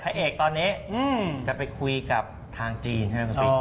เอกตอนนี้จะไปคุยกับทางจีนใช่ไหมคุณติ๊ก